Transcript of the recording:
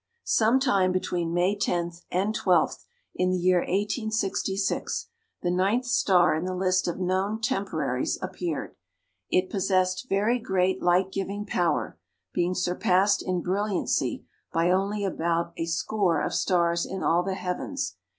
Some time between May 10th and 12th in the year 1866 the ninth star in the list of known "temporaries" appeared. It possessed very great light giving power, being surpassed in brilliancy by only about a score of stars in all the heavens.